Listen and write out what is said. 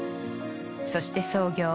そして創業。